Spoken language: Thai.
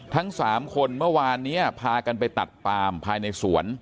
ทั้ง๓คนเมื่อวานนี้พากันไปตัดปามภายในสวน